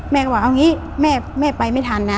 แม่ก็บอกว่าเอาอย่างงี้แม่ไปไม่ทันนะ